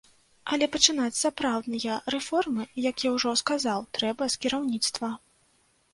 Але пачынаць сапраўдныя рэформы, як я ўжо сказаў, трэба з кіраўніцтва.